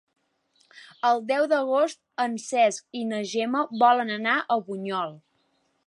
El deu d'agost en Cesc i na Gemma volen anar a Bunyol.